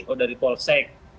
oh dari paulson